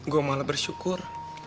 gua malah bersyukur